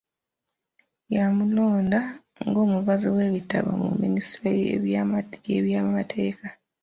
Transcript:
Yamulonda ng'omubazi w'ebitabo mu minisitule y’ebyamateeka.